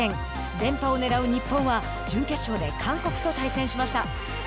連覇をねらう日本は準決勝で韓国と対戦しました。